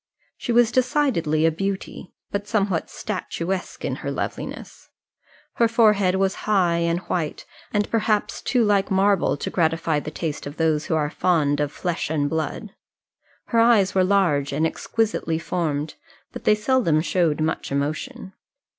She was decidedly a beauty, but somewhat statuesque in her loveliness. Her forehead was high and white, but perhaps too like marble to gratify the taste of those who are fond of flesh and blood. Her eyes were large and exquisitely formed, but they seldom showed much emotion.